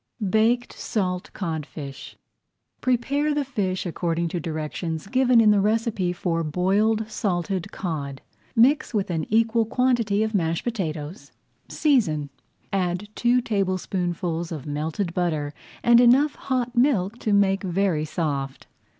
BAKED SALT CODFISH Prepare the fish according to directions given in the recipe for Boiled Salted Cod. Mix with an equal quantity of mashed potatoes, season, add two tablespoonfuls of melted butter and enough hot milk to make very soft.